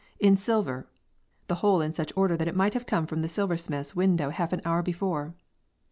in silver, the whole in such order that it might have come from the silversmith's window half an hour before."